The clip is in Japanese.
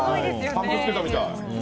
パン粉つけたみたい！